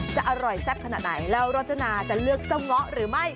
จะอร่อยแซ่บขนาดไหนแล้วรจนาจะเลือกเจ้าเงาะหรือไม่